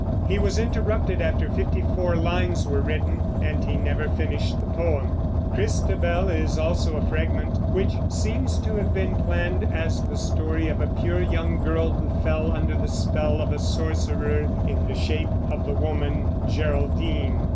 He was interrupted after fifty four lines were written, and he never finished the poem. "Christabel" is also a fragment, which seems to have been planned as the story of a pure young girl who fell under the spell of a sorcerer, in the shape of the woman Geraldine.